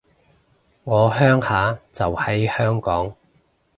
我鄉下就喺香港